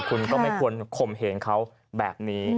คุณก็ไม่ควรข่มเหงเขาแบบนี้